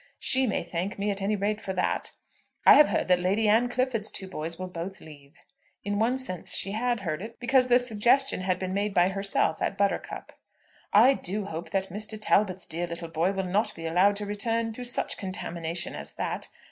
She may thank me at any rate for that. I have heard that Lady Anne Clifford's two boys will both leave." [In one sense she had heard it, because the suggestion had been made by herself at Buttercup.] "I do hope that Mr. Talbot's dear little boy will not be allowed to return to such contamination as that!